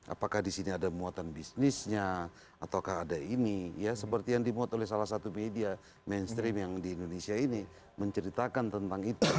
apakah di sini ada muatan bisnisnya ataukah ada ini ya seperti yang dimuat oleh salah satu media mainstream yang di indonesia ini menceritakan tentang itu